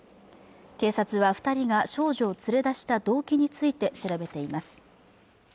警察は二人が少女を連れ出した動機について調べています